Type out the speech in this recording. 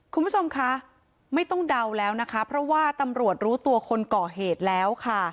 คุณผู้ชมคะไม่ต้องเดาแล้วนะคะเพราะว่าตำรวจรู้ตัวคนก่อเหตุแล้วค่ะ